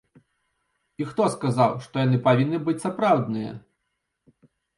І хто сказаў, што яны павінны быць сапраўдныя?